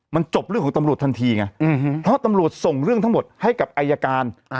มันจบเรื่องของตำรวจทันทีไงเพราะตำรวจส่งเรื่องทั้งหมดให้กับอายการ